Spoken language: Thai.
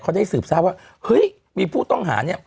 เขาได้สืบทราบว่าเฮ้ยมีผู้ต้องหาเนี่ย